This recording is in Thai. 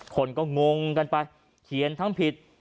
คนก็งงกันไปเขียนทั้งผิด